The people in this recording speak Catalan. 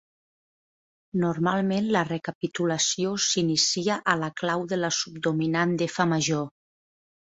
Normalment, la recapitulació s'inicia a la clau de la subdominant d'F major.